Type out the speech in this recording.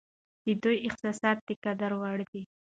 د دوی احساسات د قدر وړ دي.